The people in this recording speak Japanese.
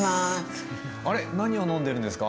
あれ何を飲んでるんですか？